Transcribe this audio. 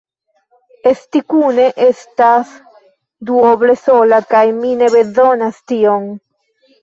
Esti kune estas duoble sola kaj mi ne bezonas tion.